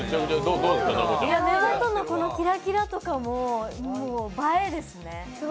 目元のキラキラとかももう、映えですね。